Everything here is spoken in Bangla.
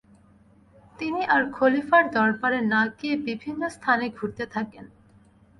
তিনি আর খলিফার দরবারে না গিয়ে বিভিন্ন স্থানে ঘুরতে থাকেন।